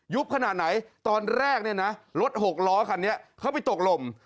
ยุบขนาดไหนตอนแรกรถหกล้อคันนี้เขาไปตกลม